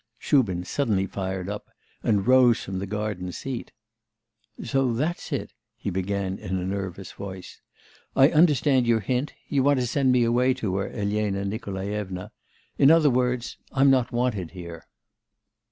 Shubin suddenly fired up, and rose from the garden seat. 'So that's it?' he began in a nervous voice. 'I understand your hint; you want to send me away to her, Elena Nikolaevna. In other words, I'm not wanted here.